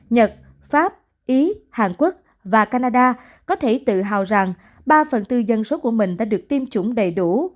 nhật pháp ý hàn quốc và canada có thể tự hào rằng ba phần tư dân số của mình đã được tiêm chủng đầy đủ